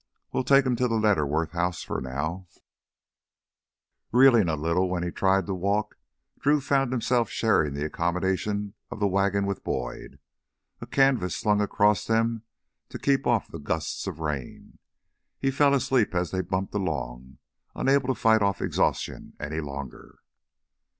We'll take him to the Letterworth house for now " Reeling a little when he tried to walk, Drew found himself sharing the accommodation of the wagon with Boyd, a canvas slung across them to keep off the gusts of rain. He fell asleep as they bumped along, unable to fight off exhaustion any longer.